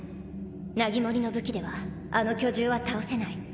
ナギモリの武器ではあの巨獣は倒せない。